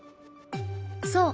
そう。